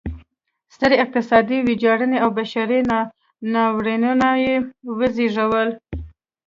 سترې اقتصادي ویجاړنې او بشري ناورینونه یې وزېږول.